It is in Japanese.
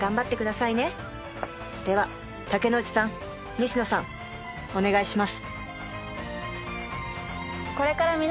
では竹野内さん西野さんお願いします。